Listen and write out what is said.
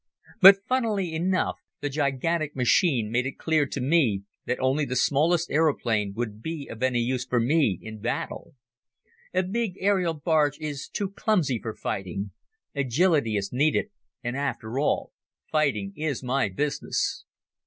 But funnily enough the gigantic machine made it clear to me that only the smallest aeroplane would be of any use for me in battle. A big aerial barge is too clumsy for fighting. Agility is needed and, after all, fighting is my business.